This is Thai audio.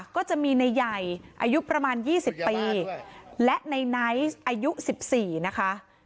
ก็จะมีในใหญ่อายุประมาณยี่สิบปีและในไนท์อายุสิบสี่นะคะ